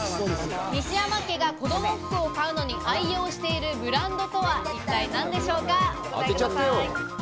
西山家が子ども服を買うのに愛用しているブランドとは一体何でしょうか？